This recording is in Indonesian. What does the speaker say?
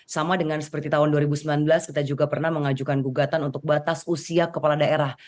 sama dengan seperti tahun dua ribu sembilan belas kita juga pernah mengajukan gugatan untuk batas usia kepala daerah